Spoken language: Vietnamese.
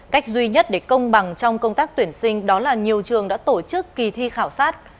cách duy nhất để công bằng trong công tác tuyển sinh đó là nhiều trường đã tổ chức kỳ thi khảo sát